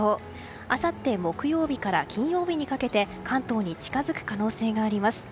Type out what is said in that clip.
あさって木曜日から金曜日にかけて関東に近づく可能性があります。